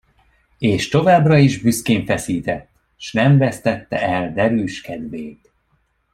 És továbbra is büszkén feszített, s nem vesztette el derűs kedvét.